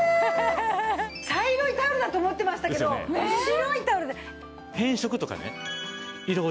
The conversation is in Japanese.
茶色いタオルだと思ってましたけど白いタオルで。